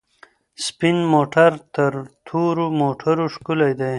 سپین موټر تر تورو موټرو ښکلی دی.